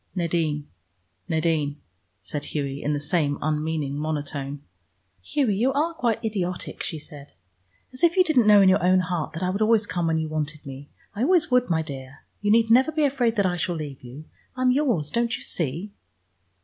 "Nadine, Nadine," said Hughie, in the same unmeaning monotone. "Hughie, you are quite idiotic!" she said. "As if you didn't know in your own heart that I would always come when you wanted me. I always would, my dear. You need never be afraid that I shall leave you. I am yours, don't you see?"